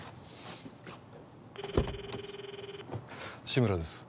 志村です